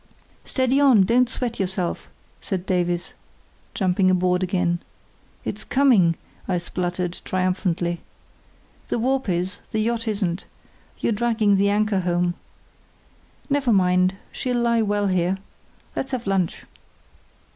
"Steady on! Don't sweat yourself," said Davies, jumping aboard again. "It's coming," I spluttered, triumphantly. "The warp is, the yacht isn't; you're dragging the anchor home. Never mind, she'll lie well here. Let's have lunch."